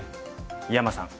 井山さん。